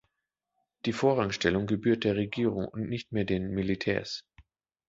Die Vorrangstellung gebührt der Regierung und nicht mehr den Militärs.